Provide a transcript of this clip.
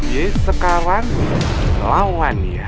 ye sekawan lawan ya